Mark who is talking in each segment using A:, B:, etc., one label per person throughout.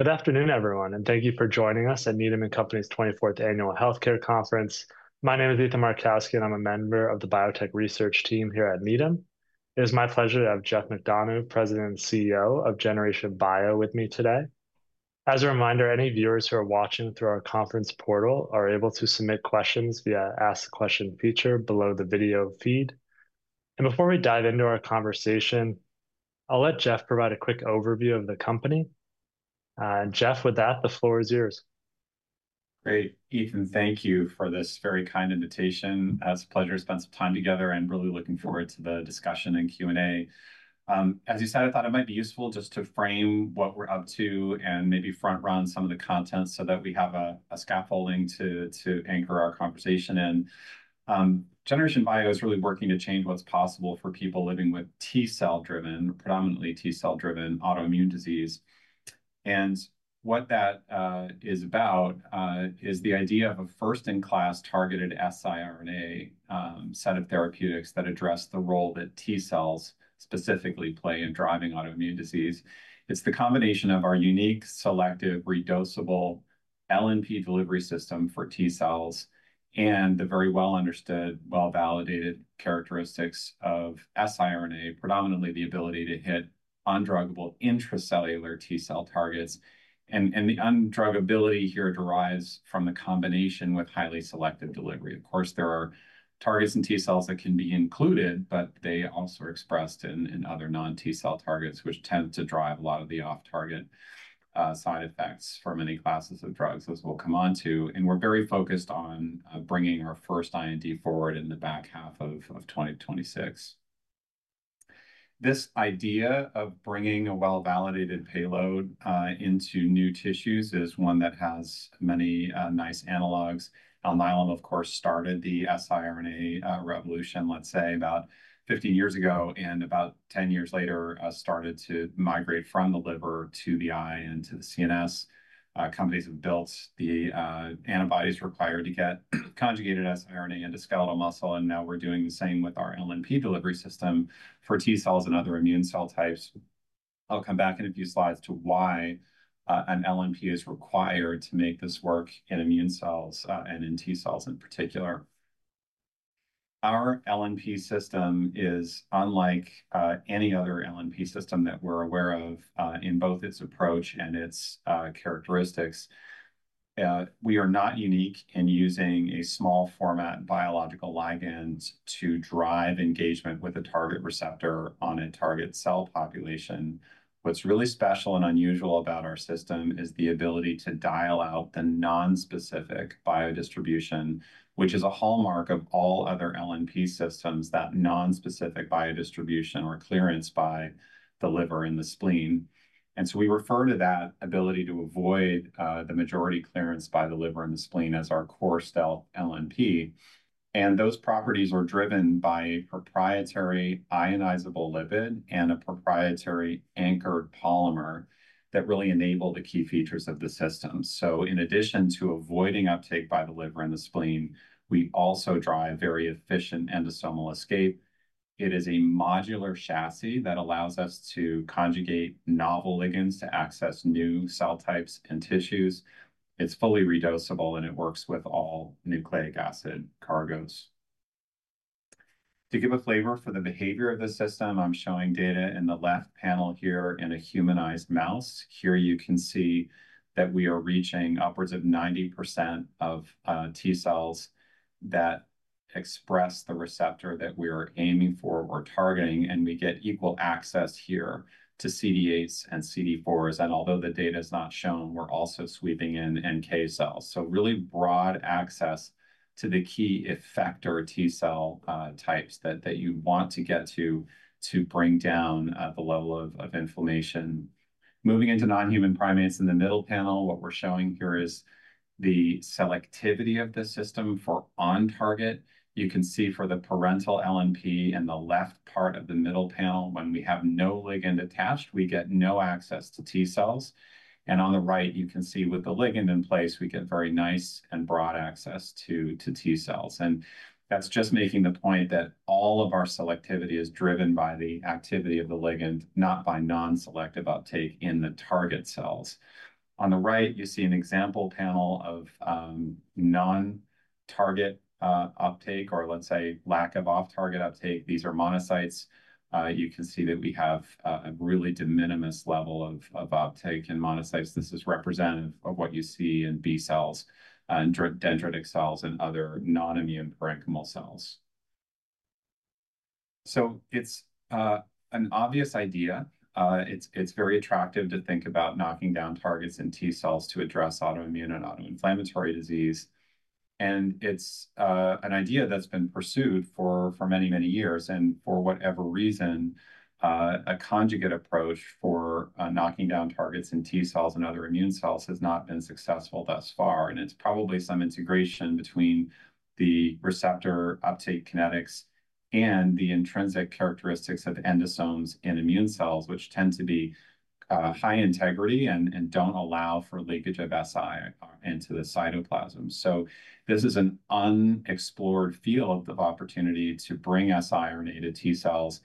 A: Good afternoon, everyone, and thank you for joining us at Needham & Company's 24th Annual Healthcare Conference. My name is Ethan Markowski, and I'm a member of the Biotech Research Team here at Needham. It is my pleasure to have Geoff McDonough, President and CEO of Generation Bio, with me today. As a reminder, any viewers who are watching through our conference portal are able to submit questions via the Ask a Question feature below the video feed. Before we dive into our conversation, I'll let Geoff provide a quick overview of the company. Geoff, with that, the floor is yours.
B: Great, Ethan. Thank you for this very kind invitation. It's a pleasure to spend some time together, and I'm really looking forward to the discussion and Q&A. As you said, I thought it might be useful just to frame what we're up to and maybe front-run some of the content so that we have a scaffolding to anchor our conversation in. Generation Bio is really working to change what's possible for people living with T-cell-driven, predominantly T-cell-driven autoimmune disease. What that is about is the idea of a first-in-class targeted siRNA set of therapeutics that address the role that T-cells specifically play in driving autoimmune disease. It's the combination of our unique, selective, reducible LNP delivery system for T-cells and the very well-understood, well-validated characteristics of siRNA, predominantly the ability to hit undruggable intracellular T-cell targets. The undruggability here derives from the combination with highly selective delivery. Of course, there are targets in T-cells that can be included, but they also are expressed in other non-T-cell targets, which tend to drive a lot of the off-target side effects for many classes of drugs, as we'll come on to. We are very focused on bringing our first IND forward in the back half of 2026. This idea of bringing a well-validated payload into new tissues is one that has many nice analogs. Alnylam, of course, started the siRNA revolution, let's say, about 15 years ago, and about 10 years later, started to migrate from the liver to the eye and to the CNS. Companies have built the antibodies required to get conjugated siRNA into skeletal muscle, and now we're doing the same with our LNP delivery system for T-cells and other immune cell types. I'll come back in a few slides to why an LNP is required to make this work in immune cells and in T-cells in particular. Our LNP system is unlike any other LNP system that we're aware of in both its approach and its characteristics. We are not unique in using a small-format biological ligand to drive engagement with a target receptor on a target cell population. What's really special and unusual about our system is the ability to dial out the nonspecific biodistribution, which is a hallmark of all other LNP systems, that nonspecific biodistribution or clearance by the liver and the spleen. We refer to that ability to avoid the majority clearance by the liver and the spleen as our core stealth LNP. Those properties are driven by a proprietary ionizable lipid and a proprietary anchored polymer that really enable the key features of the system. In addition to avoiding uptake by the liver and the spleen, we also drive very efficient endosomal escape. It is a modular chassis that allows us to conjugate novel ligands to access new cell types and tissues. It is fully reducible, and it works with all nucleic acid cargoes. To give a flavor for the behavior of the system, I am showing data in the left panel here in a humanized mouse. Here you can see that we are reaching upwards of 90% of T-cells that express the receptor that we are aiming for or targeting, and we get equal access here to CD8s and CD4s. Although the data is not shown, we are also sweeping in NK cells. Really broad access to the key effector T-cell types that you want to get to to bring down the level of inflammation. Moving into non-human primates in the middle panel, what we're showing here is the selectivity of the system for on-target. You can see for the parental LNP in the left part of the middle panel, when we have no ligand attached, we get no access to T-cells. On the right, you can see with the ligand in place, we get very nice and broad access to T-cells. That is just making the point that all of our selectivity is driven by the activity of the ligand, not by non-selective uptake in the target cells. On the right, you see an example panel of non-target uptake or, let's say, lack of off-target uptake. These are monocytes. You can see that we have a really de minimis level of uptake in monocytes. This is representative of what you see in B cells, dendritic cells, and other non-immune parenchymal cells. It is an obvious idea. It is very attractive to think about knocking down targets in T-cells to address autoimmune and autoinflammatory disease. It is an idea that has been pursued for many, many years. For whatever reason, a conjugate approach for knocking down targets in T-cells and other immune cells has not been successful thus far. It is probably some integration between the receptor uptake kinetics and the intrinsic characteristics of endosomes in immune cells, which tend to be high integrity and do not allow for leakage of siRNA into the cytoplasm. This is an unexplored field of opportunity to bring siRNA to T-cells.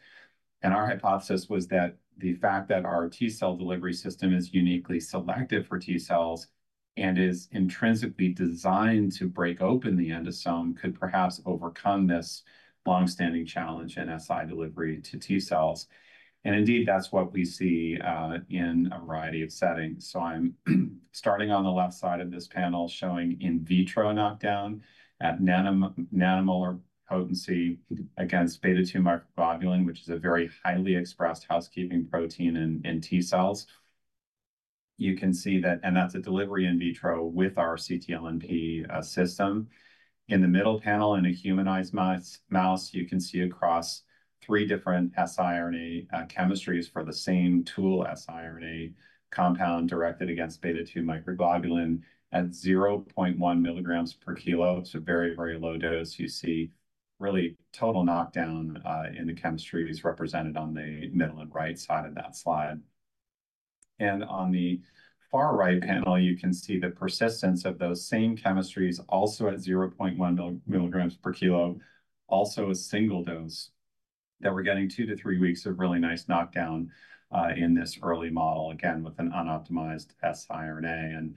B: Our hypothesis was that the fact that our T-cell delivery system is uniquely selective for T-cells and is intrinsically designed to break open the endosome could perhaps overcome this longstanding challenge in si delivery to T-cells. Indeed, that's what we see in a variety of settings. I'm starting on the left side of this panel showing in vitro knockdown at nanomolar potency against beta-2 microglobulin, which is a very highly expressed housekeeping protein in T-cells. You can see that, and that's a delivery in vitro with our ctLNP system. In the middle panel in a humanized mouse, you can see across three different siRNA chemistries for the same tool siRNA compound directed against beta-2 microglobulin at 0.1 mg/kg. It's a very, very low dose. You see really total knockdown in the chemistries represented on the middle and right side of that slide. On the far right panel, you can see the persistence of those same chemistries also at 0.1 mg/kg, also a single dose that we're getting two to three weeks of really nice knockdown in this early model, again, with an unoptimized siRNA.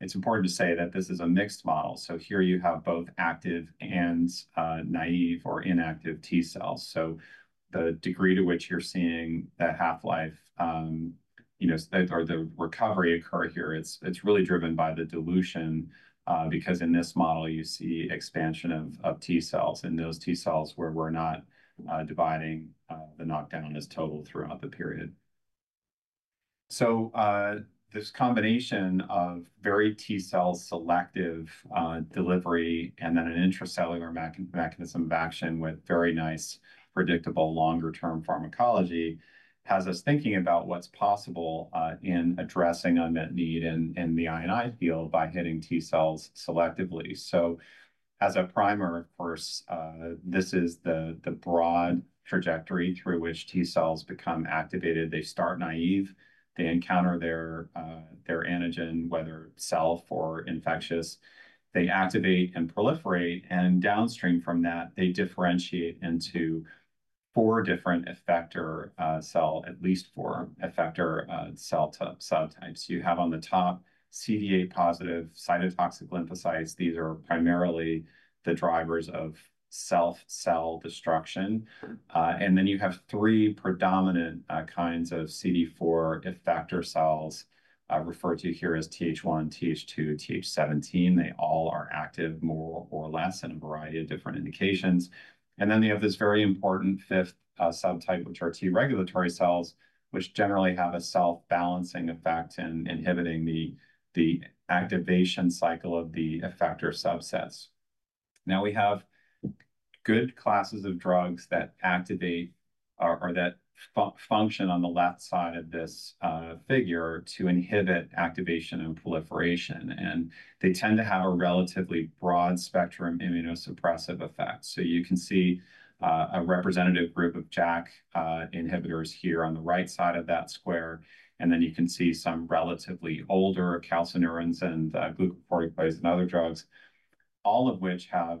B: It's important to say that this is a mixed model. Here you have both active and naive or inactive T-cells. The degree to which you're seeing the half-life, you know, or the recovery occur here, it's really driven by the dilution because in this model, you see expansion of T-cells in those T-cells where we're not dividing the knockdown as total throughout the period. This combination of very T-cell selective delivery and then an intracellular mechanism of action with very nice predictable longer-term pharmacology has us thinking about what's possible in addressing unmet need in the INI field by hitting T-cells selectively. As a primer, of course, this is the broad trajectory through which T-cells become activated. They start naive. They encounter their antigen, whether self or infectious. They activate and proliferate. Downstream from that, they differentiate into four different effector cells, at least four effector cell types. You have on the top CD8-positive cytotoxic lymphocytes. These are primarily the drivers of self-cell destruction. Then you have three predominant kinds of CD4 effector cells referred to here as Th1, Th2, Th17. They all are active more or less in a variety of different indications. They have this very important fifth subtype, which are T regulatory cells, which generally have a self-balancing effect in inhibiting the activation cycle of the effector subsets. Now we have good classes of drugs that activate or that function on the left side of this figure to inhibit activation and proliferation. They tend to have a relatively broad spectrum immunosuppressive effect. You can see a representative group of JAK inhibitors here on the right side of that square. You can see some relatively older calcineurins and glucocorticoids and other drugs, all of which have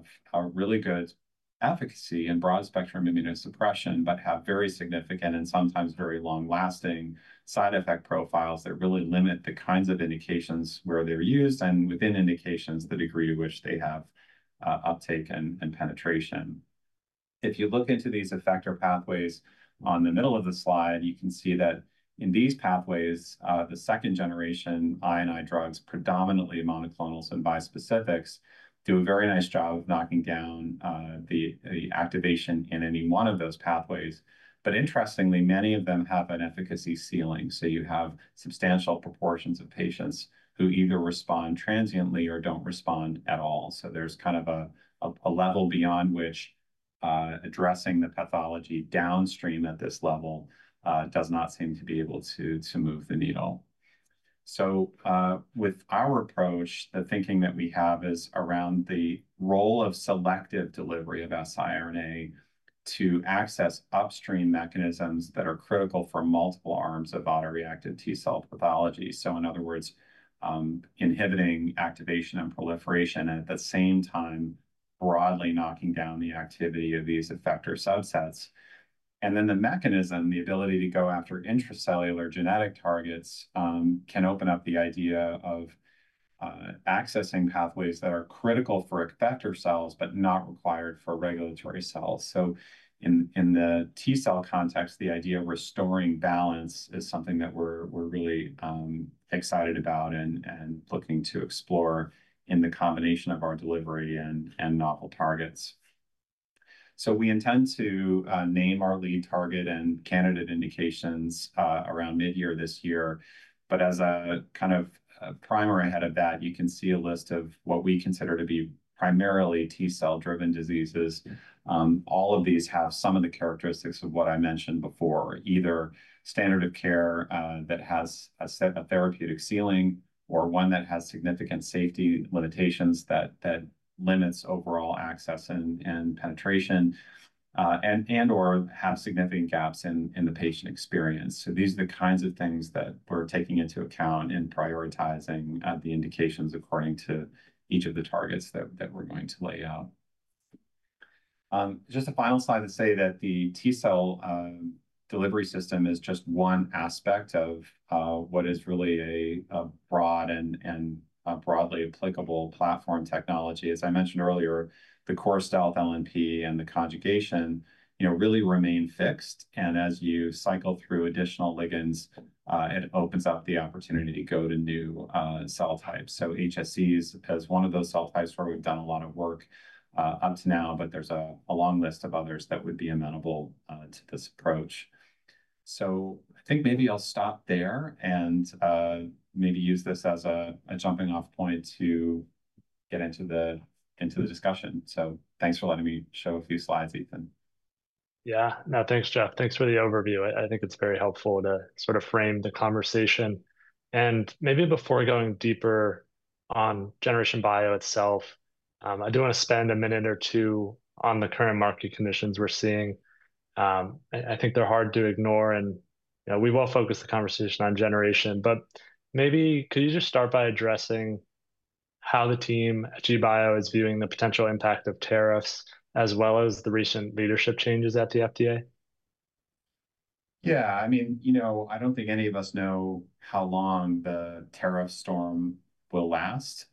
B: really good efficacy in broad-spectrum immunosuppression, but have very significant and sometimes very long-lasting side effect profiles that really limit the kinds of indications where they're used and within indications, the degree to which they have uptake and penetration. If you look into these effector pathways on the middle of the slide, you can see that in these pathways, the second-generation INI drugs, predominantly monoclonals and bispecifics, do a very nice job of knocking down the activation in any one of those pathways. Interestingly, many of them have an efficacy ceiling. You have substantial proportions of patients who either respond transiently or do not respond at all. There is kind of a level beyond which addressing the pathology downstream at this level does not seem to be able to move the needle. With our approach, the thinking that we have is around the role of selective delivery of siRNA to access upstream mechanisms that are critical for multiple arms of autoreactive T-cell pathology. In other words, inhibiting activation and proliferation and at the same time broadly knocking down the activity of these effector subsets. The mechanism, the ability to go after intracellular genetic targets can open up the idea of accessing pathways that are critical for effector cells, but not required for regulatory cells. In the T-cell context, the idea of restoring balance is something that we're really excited about and looking to explore in the combination of our delivery and novel targets. We intend to name our lead target and candidate indications around mid-year this year. As a kind of primer ahead of that, you can see a list of what we consider to be primarily T-cell-driven diseases. All of these have some of the characteristics of what I mentioned before, either standard of care that has a therapeutic ceiling or one that has significant safety limitations that limits overall access and penetration and/or have significant gaps in the patient experience. These are the kinds of things that we're taking into account in prioritizing the indications according to each of the targets that we're going to lay out. Just a final slide to say that the T-cell delivery system is just one aspect of what is really a broad and broadly applicable platform technology. As I mentioned earlier, the core stealth LNP and the conjugation really remain fixed. As you cycle through additional ligands, it opens up the opportunity to go to new cell types. HSC is one of those cell types where we've done a lot of work up to now, but there's a long list of others that would be amenable to this approach. I think maybe I'll stop there and maybe use this as a jumping-off point to get into the discussion. Thanks for letting me show a few slides, Ethan.
A: Yeah. No, thanks, Geoff. Thanks for the overview. I think it's very helpful to sort of frame the conversation. Maybe before going deeper on Generation Bio itself, I do want to spend a minute or two on the current market conditions we're seeing. I think they're hard to ignore. We will focus the conversation on Generation, but maybe could you just start by addressing how the team at GBio is viewing the potential impact of tariffs as well as the recent leadership changes at the FDA?
B: Yeah. I mean, you know, I don't think any of us know how long the tariff storm will last.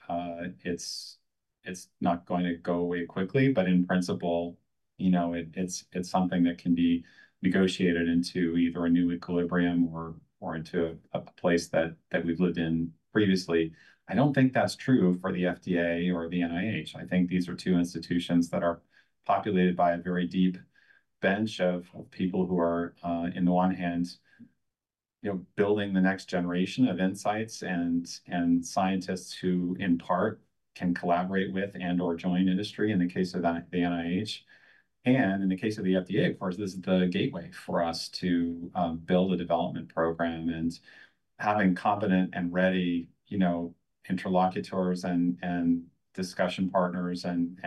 B: It's not going to go away quickly, but in principle, you know, it's something that can be negotiated into either a new equilibrium or into a place that we've lived in previously. I don't think that's true for the FDA or the NIH. I think these are two institutions that are populated by a very deep bench of people who are, on the one hand, building the next generation of insights and scientists who in part can collaborate with and/or join industry in the case of the NIH. In the case of the FDA, of course, this is the gateway for us to build a development program. Having competent and ready interlocutors and discussion partners and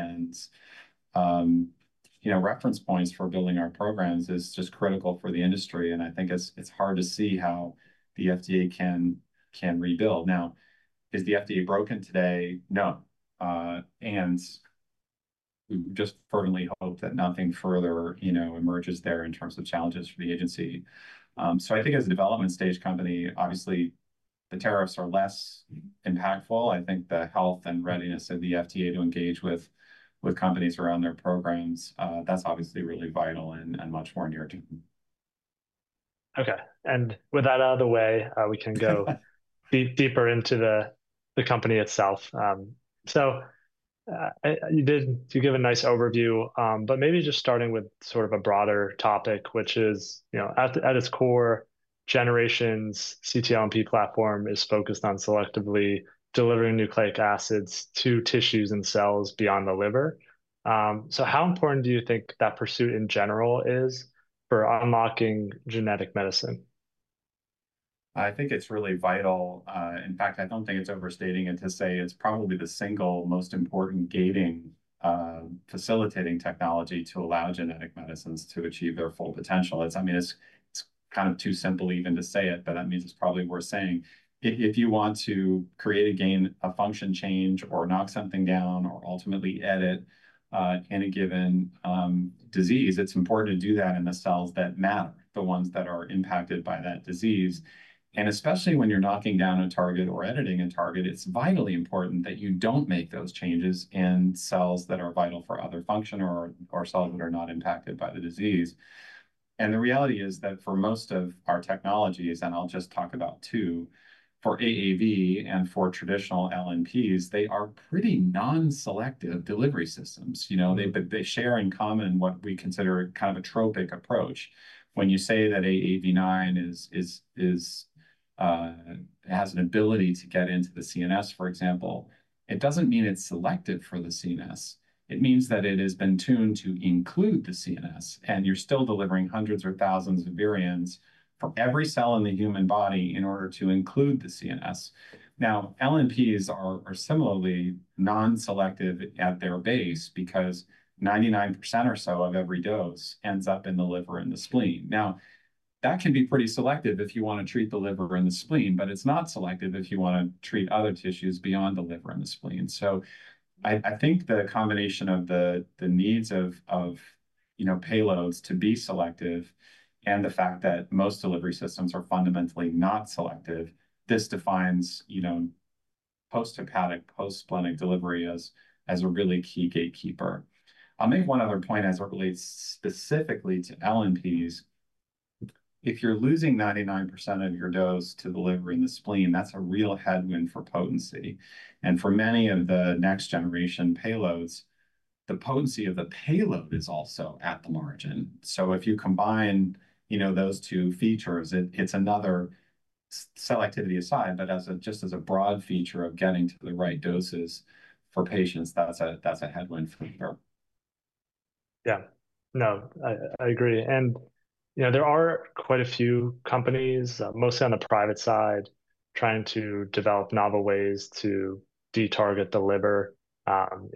B: reference points for building our programs is just critical for the industry. I think it's hard to see how the FDA can rebuild. Now, is the FDA broken today? No. We just fervently hope that nothing further emerges there in terms of challenges for the agency. I think as a development-stage company, obviously, the tariffs are less impactful. I think the health and readiness of the FDA to engage with companies around their programs, that's obviously really vital and much more near term.
A: Okay. With that out of the way, we can go deeper into the company itself. You did give a nice overview, but maybe just starting with sort of a broader topic, which is at its core, Generation Bio's ctLNP platform is focused on selectively delivering nucleic acids to tissues and cells beyond the liver. How important do you think that pursuit in general is for unlocking genetic medicine?
B: I think it's really vital. In fact, I don't think it's overstating to say it's probably the single most important gating facilitating technology to allow genetic medicines to achieve their full potential. I mean, it's kind of too simple even to say it, but that means it's probably worth saying. If you want to create a gain, a function change, or knock something down, or ultimately edit in a given disease, it's important to do that in the cells that matter, the ones that are impacted by that disease. Especially when you're knocking down a target or editing a target, it's vitally important that you don't make those changes in cells that are vital for other function or cells that are not impacted by the disease. The reality is that for most of our technologies, and I'll just talk about two, for AAV and for traditional LNPs, they are pretty non-selective delivery systems. They share in common what we consider kind of a tropic approach. When you say that AAV9 has an ability to get into the CNS, for example, it doesn't mean it's selective for the CNS. It means that it has been tuned to include the CNS, and you're still delivering hundreds or thousands of variants for every cell in the human body in order to include the CNS. Now, LNPs are similarly non-selective at their base because 99% or so of every dose ends up in the liver and the spleen. That can be pretty selective if you want to treat the liver and the spleen, but it's not selective if you want to treat other tissues beyond the liver and the spleen. I think the combination of the needs of payloads to be selective and the fact that most delivery systems are fundamentally not selective, this defines post-hepatic, post-splenic delivery as a really key gatekeeper. I'll make one other point as it relates specifically to LNPs. If you're losing 99% of your dose to the liver and the spleen, that's a real headwind for potency. For many of the next-generation payloads, the potency of the payload is also at the margin. If you combine those two features, it's another selectivity aside, but just as a broad feature of getting to the right doses for patients, that's a headwind for sure.
A: Yeah. No, I agree. There are quite a few companies, mostly on the private side, trying to develop novel ways to detarget the liver, adding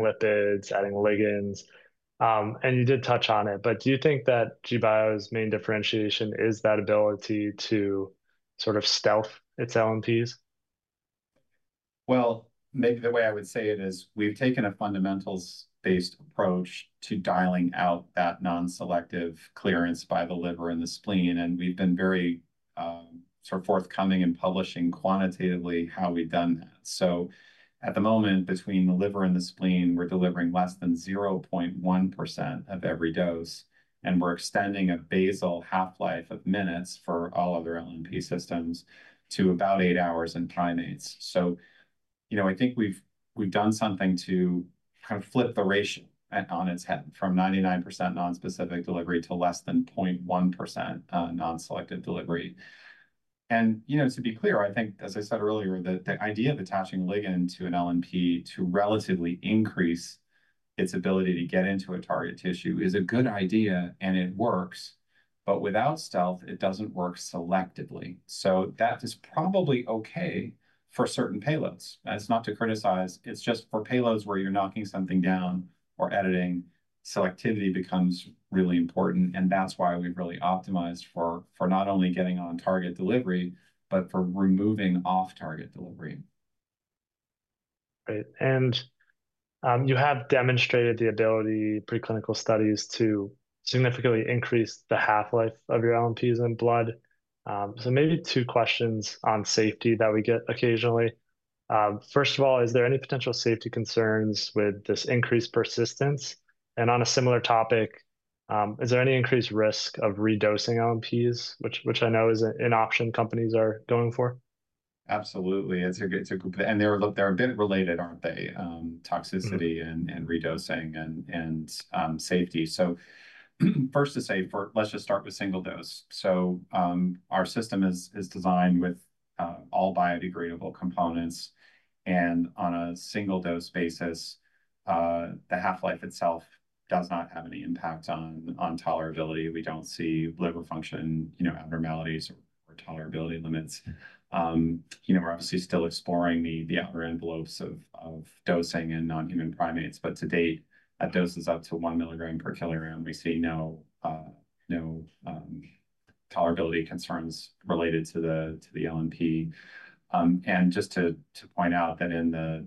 A: lipids, adding ligands. You did touch on it, but do you think that GBio's main differentiation is that ability to sort of stealth its LNPs?
B: Maybe the way I would say it is we've taken a fundamentals-based approach to dialing out that non-selective clearance by the liver and the spleen. We have been very forthcoming in publishing quantitatively how we have done that. At the moment, between the liver and the spleen, we are delivering less than 0.1% of every dose. We are extending a basal half-life of minutes for all other LNP systems to about eight hours in primates. I think we have done something to kind of flip the ratio on its head from 99% non-specific delivery to less than 0.1% non-selective delivery. To be clear, I think, as I said earlier, the idea of attaching a ligand to an LNP to relatively increase its ability to get into a target tissue is a good idea, and it works. Without stealth, it does not work selectively. That is probably okay for certain payloads. That is not to criticize. It is just for payloads where you are knocking something down or editing, selectivity becomes really important. That is why we've really optimized for not only getting on target delivery, but for removing off-target delivery.
A: Right. You have demonstrated the ability, in preclinical studies, to significantly increase the half-life of your LNPs in blood. Maybe two questions on safety that we get occasionally. First of all, is there any potential safety concerns with this increased persistence? On a similar topic, is there any increased risk of redosing LNPs, which I know is an option companies are going for?
B: Absolutely. They are a bit related, aren't they? Toxicity and redosing and safety. First to say, let's just start with single dose. Our system is designed with all biodegradable components. On a single dose basis, the half-life itself does not have any impact on tolerability. We do not see liver function abnormalities or tolerability limits. We're obviously still exploring the outer envelopes of dosing in non-human primates. To date, at doses up to 1 mg per kg, we see no tolerability concerns related to the LNP. Just to point out that in the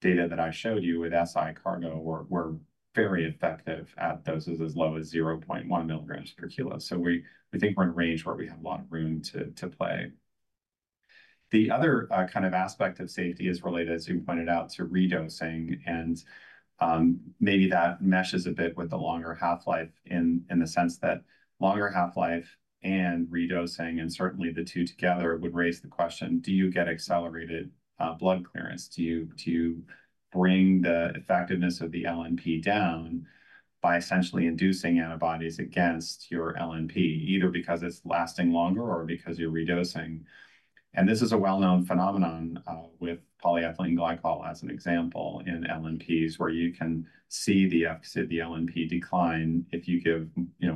B: data that I showed you with siRNA cargo, we're very effective at doses as low as 0.1 mg/kg. We think we're in a range where we have a lot of room to play. The other kind of aspect of safety is related, as you pointed out, to redosing. Maybe that meshes a bit with the longer half-life in the sense that longer half-life and redosing, and certainly the two together, would raise the question, do you get accelerated blood clearance? Do you bring the effectiveness of the LNP down by essentially inducing antibodies against your LNP, either because it's lasting longer or because you're redosing? This is a well-known phenomenon with polyethylene glycol as an example in LNPs where you can see the efficacy of the LNP decline if you give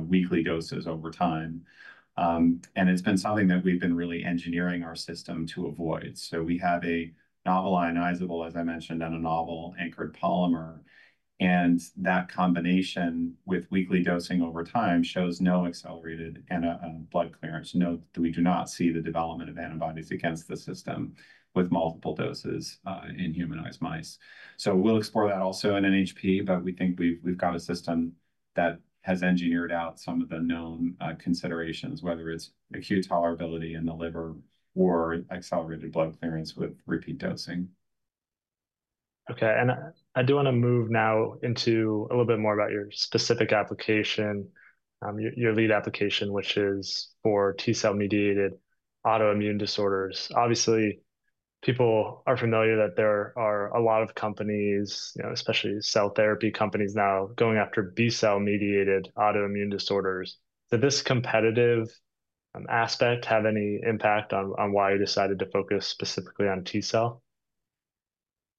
B: weekly doses over time. It has been something that we've been really engineering our system to avoid. We have a novel ionizable, as I mentioned, and a novel anchored polymer. That combination with weekly dosing over time shows no accelerated blood clearance. We do not see the development of antibodies against the system with multiple doses in humanized mice. We will explore that also in an HP, but we think we've got a system that has engineered out some of the known considerations, whether it's acute tolerability in the liver or accelerated blood clearance with repeat dosing.
A: Okay. I do want to move now into a little bit more about your specific application, your lead application, which is for T-cell-mediated autoimmune disorders. Obviously, people are familiar that there are a lot of companies, especially cell therapy companies now, going after B-cell-mediated autoimmune disorders. Does this competitive aspect have any impact on why you decided to focus specifically on T-cell?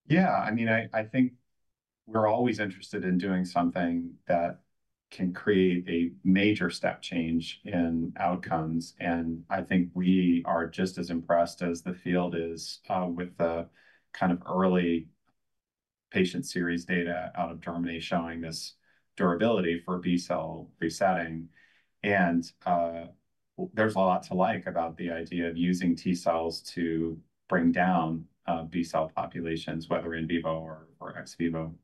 B: Yeah. I mean, I think we're always interested in doing something that can create a major step change in outcomes. I think we are just as impressed as the field is with the kind of early patient series data out of Germany showing this durability for B-cell resetting. There is a lot to like about the idea of using T-cells to bring down B-cell populations, whether in vivo or ex vivo.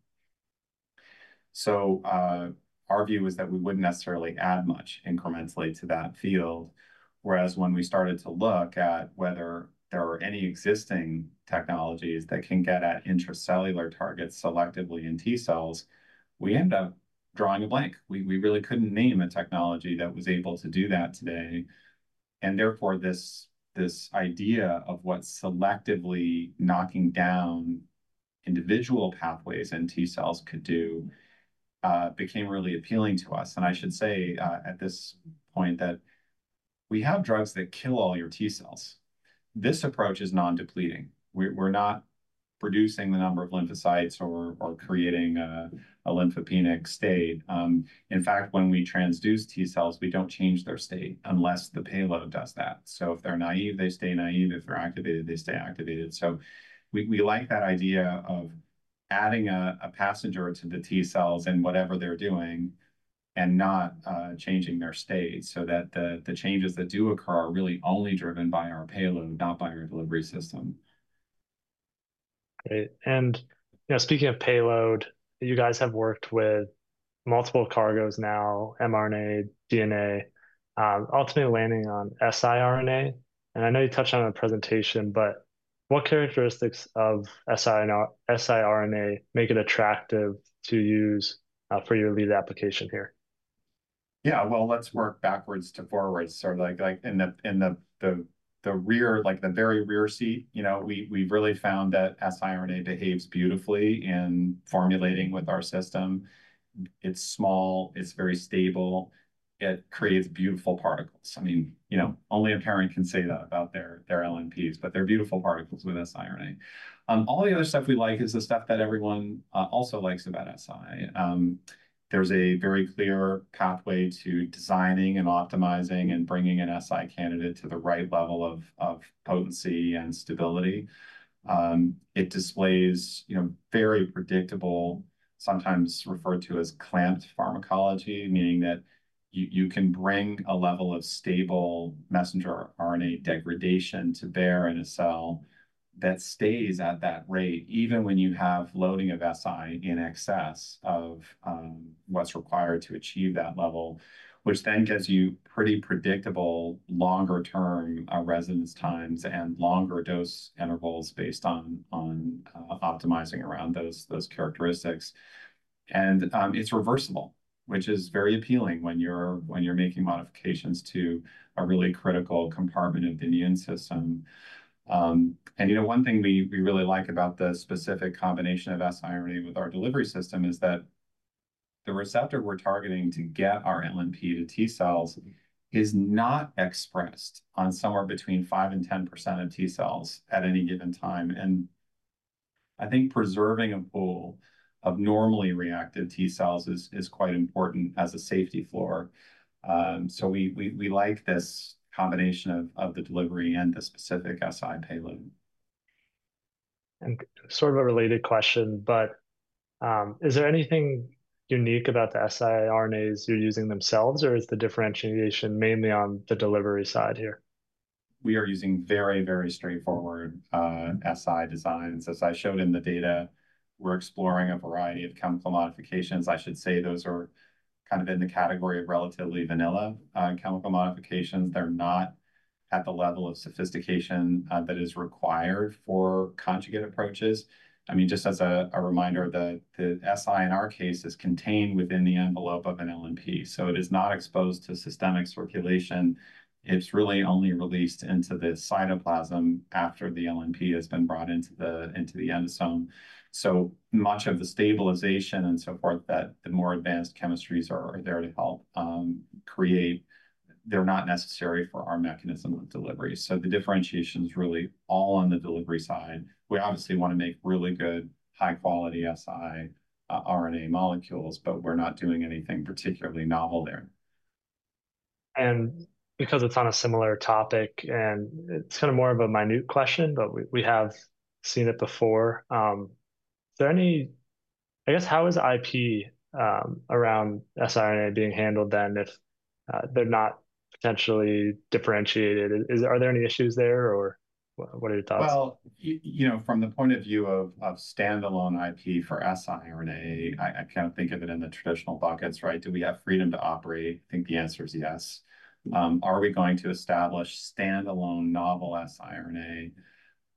B: Our view is that we would not necessarily add much incrementally to that field. Whereas when we started to look at whether there are any existing technologies that can get at intracellular targets selectively in T-cells, we ended up drawing a blank. We really could not name a technology that was able to do that today. Therefore, this idea of what selectively knocking down individual pathways in T-cells could do became really appealing to us. I should say at this point that we have drugs that kill all your T-cells. This approach is non-depleting. We are not reducing the number of lymphocytes or creating a lymphopenic state. In fact, when we transduce T-cells, we do not change their state unless the payload does that. If they are naive, they stay naive. If they are activated, they stay activated. We like that idea of adding a passenger to the T-cells in whatever they're doing and not changing their state so that the changes that do occur are really only driven by our payload, not by our delivery system.
A: Great. Speaking of payload, you guys have worked with multiple cargos now, mRNA, DNA, ultimately landing on siRNA. I know you touched on a presentation, but what characteristics of siRNA make it attractive to use for your lead application here?
B: Yeah. Let's work backwards to forward. In the rear, like the very rear seat, we've really found that siRNA behaves beautifully in formulating with our system. It's small. It's very stable. It creates beautiful particles. I mean, only a parent can say that about their LNPs, but they're beautiful particles with siRNA. All the other stuff we like is the stuff that everyone also likes about siRNA. There's a very clear pathway to designing and optimizing and bringing an siRNA candidate to the right level of potency and stability. It displays very predictable, sometimes referred to as clamped pharmacology, meaning that you can bring a level of stable messenger RNA degradation to bear in a cell that stays at that rate even when you have loading of siRNA in excess of what's required to achieve that level, which then gives you pretty predictable longer-term residence times and longer dose intervals based on optimizing around those characteristics. It is reversible, which is very appealing when you're making modifications to a really critical compartment of the immune system. One thing we really like about the specific combination of siRNA with our delivery system is that the receptor we're targeting to get our LNP to T-cells is not expressed on somewhere between 5% and 10% of T-cells at any given time. I think preserving a pool of normally reactive T-cells is quite important as a safety floor. We like this combination of the delivery and the specific si payload.
A: Sort of a related question, but is there anything unique about the siRNAs you're using themselves, or is the differentiation mainly on the delivery side here?
B: We are using very, very straightforward si designs. As I showed in the data, we're exploring a variety of chemical modifications. I should say those are kind of in the category of relatively vanilla chemical modifications. They're not at the level of sophistication that is required for conjugate approaches. I mean, just as a reminder, the siRNA in our case is contained within the envelope of an LNP. It is not exposed to systemic circulation. It's really only released into the cytoplasm after the LNP has been brought into the endosome. Much of the stabilization and so forth that the more advanced chemistries are there to help create, they're not necessary for our mechanism of delivery. The differentiation is really all on the delivery side. We obviously want to make really good, high-quality siRNA molecules, but we're not doing anything particularly novel there.
A: Because it's on a similar topic, and it's kind of more of a minute question, we have seen it before. I guess, how is IP around siRNA being handled then if they're not potentially differentiated? Are there any issues there, or what are your thoughts?
B: From the point of view of standalone IP for siRNA, I kind of think of it in the traditional buckets, right? Do we have freedom to operate? I think the answer is yes. Are we going to establish standalone novel siRNA?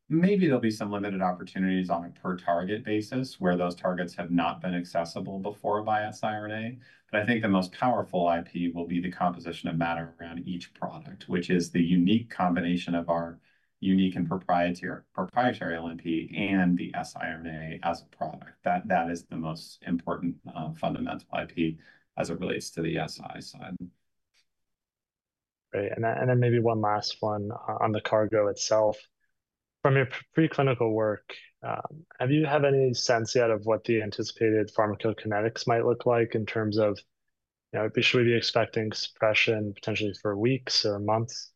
B: Maybe there'll be some limited opportunities on a per-target basis where those targets have not been accessible before by siRNA. I think the most powerful IP will be the composition of matter around each product, which is the unique combination of our unique and proprietary LNP and the siRNA as a product. That is the most important fundamental IP as it relates to the SI side.
A: Great. Maybe one last one on the cargo itself. From your preclinical work, have you had any sense yet of what the anticipated pharmacokinetics might look like in terms of should we be expecting suppression potentially for weeks or months?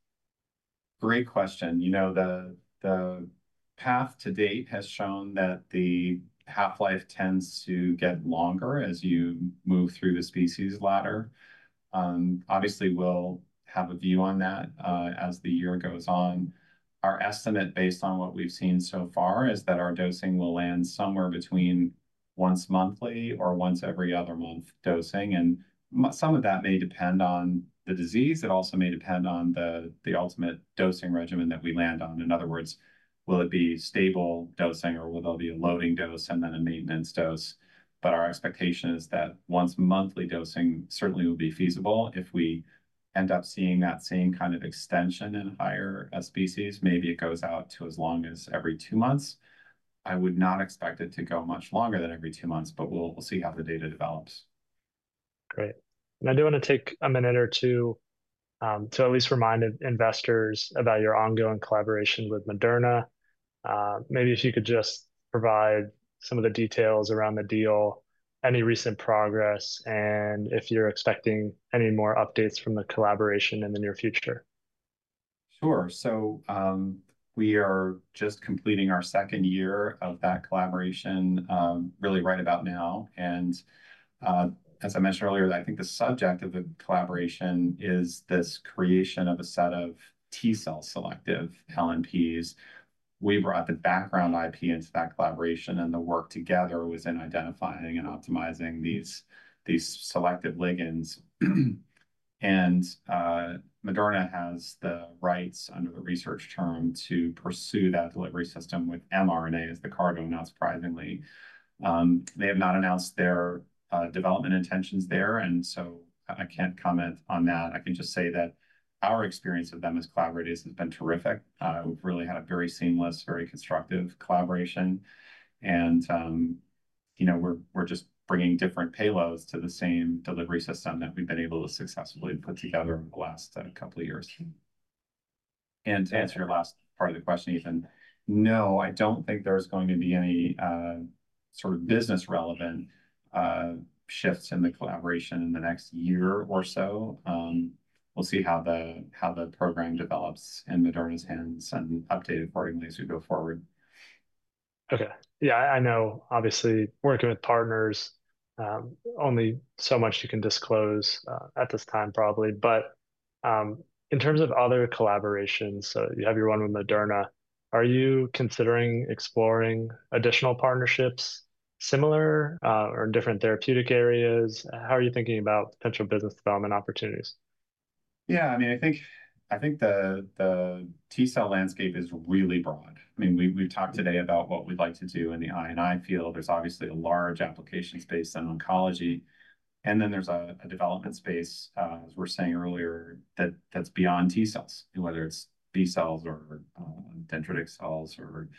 B: Great question. The path to date has shown that the half-life tends to get longer as you move through the species ladder. Obviously, we'll have a view on that as the year goes on. Our estimate based on what we've seen so far is that our dosing will land somewhere between once monthly or once every other month dosing. Some of that may depend on the disease. It also may depend on the ultimate dosing regimen that we land on. In other words, will it be stable dosing, or will there be a loading dose and then a maintenance dose? Our expectation is that once monthly dosing certainly will be feasible. If we end up seeing that same kind of extension in higher species, maybe it goes out to as long as every two months. I would not expect it to go much longer than every two months, but we'll see how the data develops.
A: Great. I do want to take a minute or two to at least remind investors about your ongoing collaboration with Moderna. Maybe if you could just provide some of the details around the deal, any recent progress, and if you're expecting any more updates from the collaboration in the near future.
B: Sure. We are just completing our second year of that collaboration really right about now. As I mentioned earlier, I think the subject of the collaboration is this creation of a set of T-cell selective LNPs. We brought the background IP into that collaboration, and the work together was in identifying and optimizing these selective ligands. Moderna has the rights under the research term to pursue that delivery system with mRNA as the cargo, not surprisingly. They have not announced their development intentions there, and so I can't comment on that. I can just say that our experience of them as collaborators has been terrific. We've really had a very seamless, very constructive collaboration. We are just bringing different payloads to the same delivery system that we've been able to successfully put together over the last couple of years. To answer your last part of the question, Ethan, no, I don't think there's going to be any sort of business-relevant shifts in the collaboration in the next year or so. We'll see how the program develops in Moderna's hands and update accordingly as we go forward.
A: Okay. Yeah. I know, obviously, working with partners, only so much you can disclose at this time, probably. In terms of other collaborations, you have your one with Moderna, are you considering exploring additional partnerships similar or in different therapeutic areas? How are you thinking about potential business development opportunities?
B: Yeah. I mean, I think the T-cell landscape is really broad. I mean, we've talked today about what we'd like to do in the INI field. There's obviously a large application space in oncology. There is a development space, as we were saying earlier, that's beyond T-cells, whether it's B-cells or dendritic cells or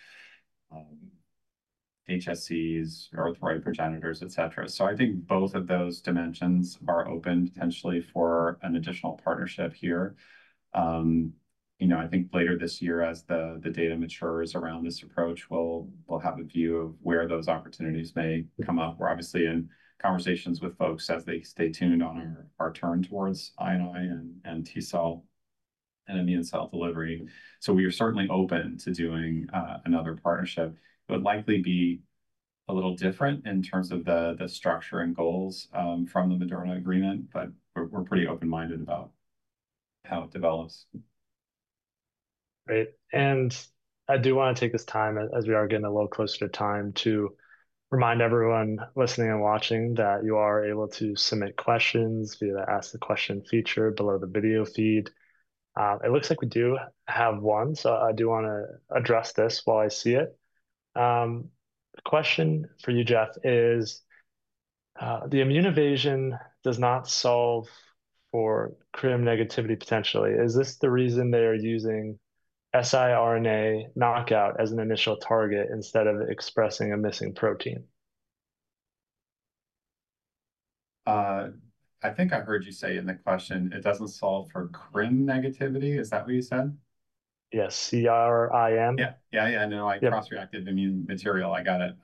B: HSCs or arthroid progenitors, etc. I think both of those dimensions are open potentially for an additional partnership here. I think later this year, as the data matures around this approach, we'll have a view of where those opportunities may come up. We're obviously in conversations with folks as they stay tuned on our turn towards INI and T-cell and immune cell delivery. We are certainly open to doing another partnership. It would likely be a little different in terms of the structure and goals from the Moderna agreement, but we're pretty open-minded about how it develops.
A: Great. I do want to take this time, as we are getting a little closer to time, to remind everyone listening and watching that you are able to submit questions via the ask the question feature below the video feed. It looks like we do have one, so I do want to address this while I see it. Question for you, Geoff, is the immune evasion does not solve for CRIM negativity potentially. Is this the reason they are using siRNA knockout as an initial target instead of expressing a missing protein?
B: I think I heard you say in the question, it doesn't solve for CRIM negativity. Is that what you said?
A: Yes. CRIM?
B: Yeah. Yeah. Yeah. No, cross-reactive immune material. I got it.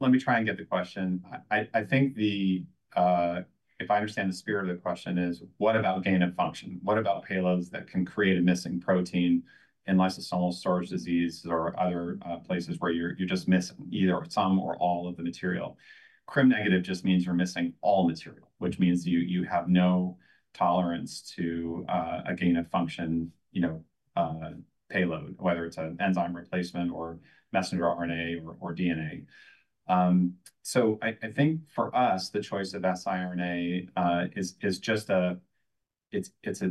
B: Let me try and get the question. I think if I understand the spirit of the question is, what about gain of function? What about payloads that can create a missing protein in lysosomal storage disease or other places where you're just missing either some or all of the material? CRIM negative just means you're missing all material, which means you have no tolerance to a gain of function payload, whether it's an enzyme replacement or messenger RNA or DNA. I think for us, the choice of siRNA is just a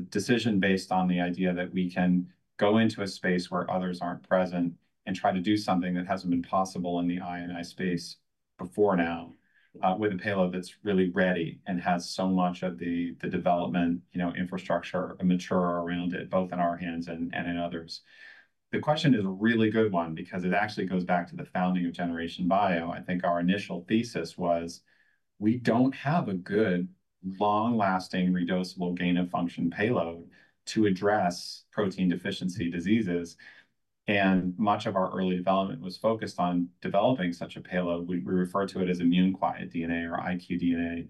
B: decision based on the idea that we can go into a space where others aren't present and try to do something that hasn't been possible in the INI space before now with a payload that's really ready and has so much of the development infrastructure mature around it, both in our hands and in others. The question is a really good one because it actually goes back to the founding of Generation Bio. I think our initial thesis was we don't have a good, long-lasting, reducible gain of function payload to address protein deficiency diseases. And much of our early development was focused on developing such a payload. We refer to it as immune quiet DNA or IQ DNA.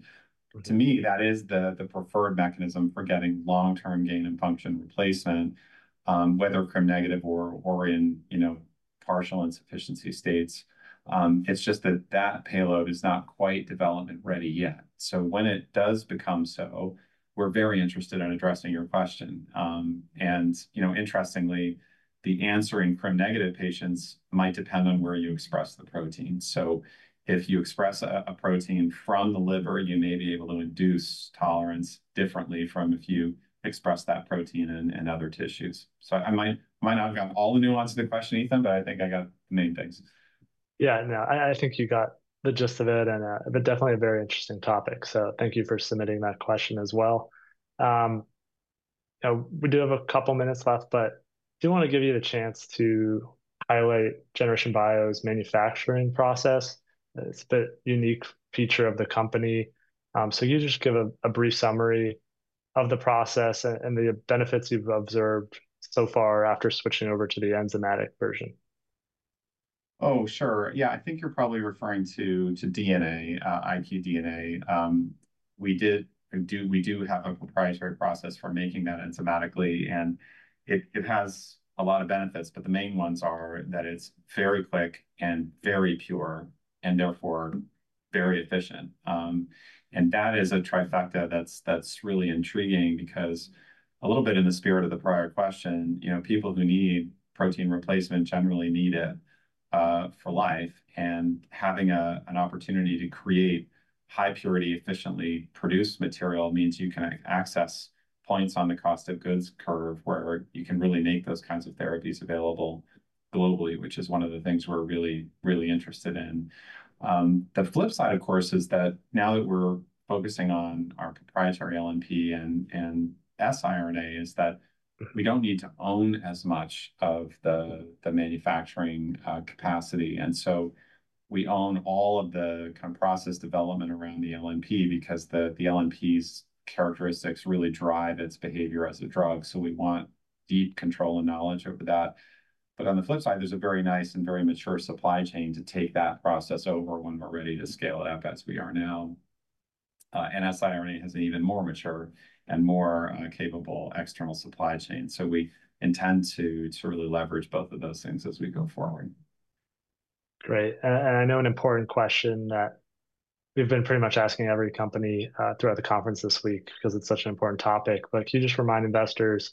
B: To me, that is the preferred mechanism for getting long-term gain and function replacement, whether CRIM negative or in partial insufficiency states. It's just that that payload is not quite development ready yet. When it does become so, we're very interested in addressing your question. Interestingly, the answer in CRIM negative patients might depend on where you express the protein. If you express a protein from the liver, you may be able to induce tolerance differently from if you express that protein in other tissues. I might not have got all the nuance of the question, Ethan, but I think I got the main things.
A: Yeah. No, I think you got the gist of it, but definitely a very interesting topic. Thank you for submitting that question as well. We do have a couple of minutes left, but I do want to give you a chance to highlight Generation Bio's manufacturing process. It's a bit unique feature of the company. You just give a brief summary of the process and the benefits you've observed so far after switching over to the enzymatic version.
B: Oh, sure. Yeah. I think you're probably referring to DNA, IQ DNA. We do have a proprietary process for making that enzymatically, and it has a lot of benefits, but the main ones are that it's very quick and very pure and therefore very efficient. That is a trifecta that's really intriguing because a little bit in the spirit of the prior question, people who need protein replacement generally need it for life. Having an opportunity to create high-purity, efficiently produced material means you can access points on the cost of goods curve where you can really make those kinds of therapies available globally, which is one of the things we're really, really interested in. The flip side, of course, is that now that we're focusing on our proprietary LNP and siRNA, we don't need to own as much of the manufacturing capacity. We own all of the kind of process development around the LNP because the LNP's characteristics really drive its behavior as a drug. We want deep control and knowledge over that. On the flip side, there's a very nice and very mature supply chain to take that process over when we're ready to scale it up as we are now. siRNA has an even more mature and more capable external supply chain. We intend to really leverage both of those things as we go forward. Great. I know an important question that we've been pretty much asking every company throughout the conference this week because it's such an important topic. Can you just remind investors,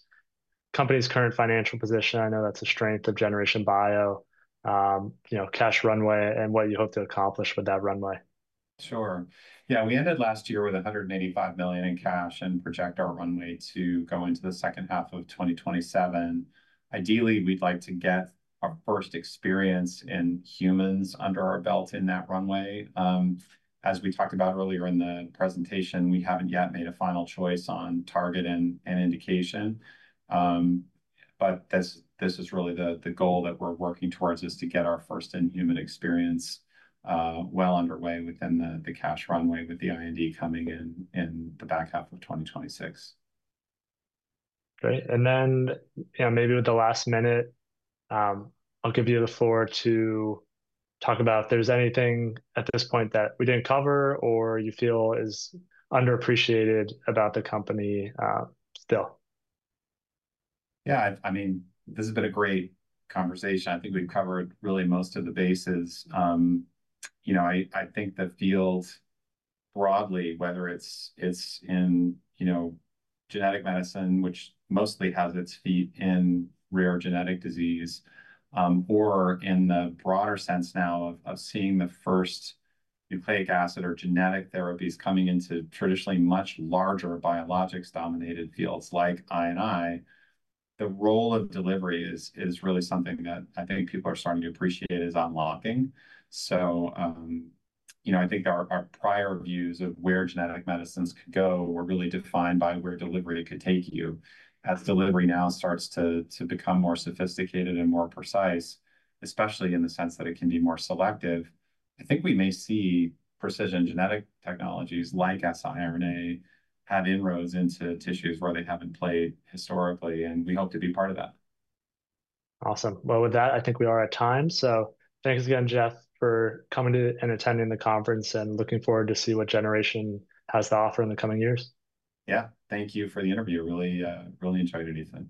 B: company's current financial position? I know that's a strength of Generation Bio, cash runway, and what you hope to accomplish with that runway. Sure. Yeah. We ended last year with $185 million in cash and project our runway to go into the second half of 2027. Ideally, we'd like to get our first experience in humans under our belt in that runway. As we talked about earlier in the presentation, we haven't yet made a final choice on target and indication. This is really the goal that we're working towards is to get our first in-human experience well underway within the cash runway with the IND coming in the back half of 2026.
A: Great. Maybe with the last minute, I'll give you the floor to talk about if there's anything at this point that we didn't cover or you feel is underappreciated about the company still.
B: Yeah. I mean, this has been a great conversation. I think we've covered really most of the bases. I think the field broadly, whether it's in genetic medicine, which mostly has its feet in rare genetic disease, or in the broader sense now of seeing the first nucleic acid or genetic therapies coming into traditionally much larger biologics-dominated fields like INI, the role of delivery is really something that I think people are starting to appreciate is unlocking. I think our prior views of where genetic medicines could go were really defined by where delivery could take you. As delivery now starts to become more sophisticated and more precise, especially in the sense that it can be more selective, I think we may see precision genetic technologies like siRNA have inroads into tissues where they haven't played historically, and we hope to be part of that.
A: Awesome. With that, I think we are at time. Thanks again, Geoff, for coming and attending the conference and looking forward to see what Generation Bio has to offer in the coming years.
B: Thank you for the interview. Really enjoyed it, Ethan.